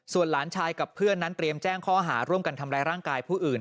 ส่วนหลานชายกับเพื่อนนั้นเตรียมแจ้งข้อหาร่วมกันทำร้ายร่างกายผู้อื่น